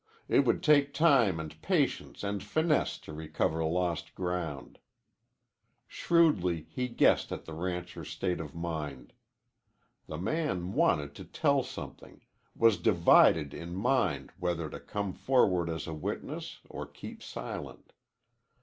It would take time and patience and finesse to recover lost ground. Shrewdly he guessed at the rancher's state of mind. The man wanted to tell something, was divided in mind whether to come forward as a witness or keep silent.